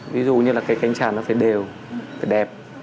ví dụ như là cái cánh trà nó phải đều phải đẹp